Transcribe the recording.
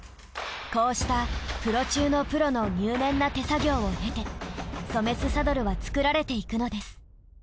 こうしたプロ中のプロの入念な手作業を経てソメスサドルは作られていくのです。